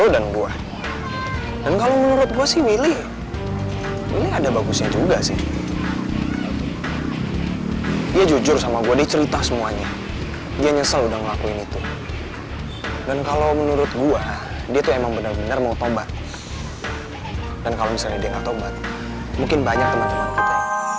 dan kalau misalnya dia gak tau banget mungkin banyak temen temen kita